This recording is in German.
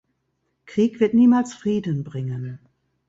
Krieg wird niemals Frieden bringen.